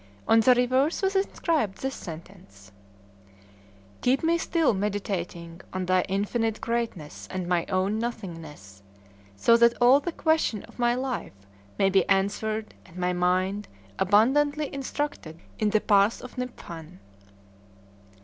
On the reverse was inscribed this sentence: "Keep me still meditating on Thy infinite greatness and my own nothingness, so that all the questions of my life may be answered and my mind abundantly instructed in the path of Niphan!"